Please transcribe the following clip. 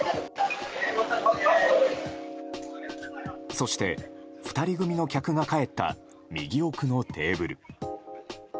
そして、２人組の客が帰った右奥のテーブル。